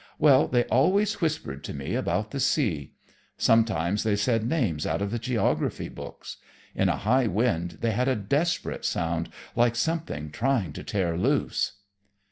Well, they always whispered to me about the sea. Sometimes they said names out of the geography books. In a high wind they had a desperate sound, like something trying to tear loose."